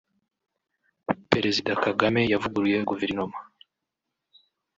Perezida Kagame yavuguruye Guverinoma